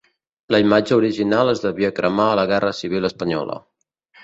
La imatge original es devia cremar a la Guerra Civil espanyola.